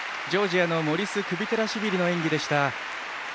ジョージアのモリス・クビテラシビリの演技でした。